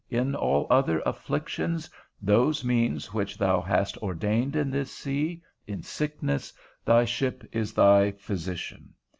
In all other afflictions, those means which thou hast ordained in this sea, in sickness, thy ship is thy physician.